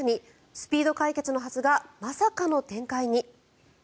スピード解決のはずがまさかの展開に。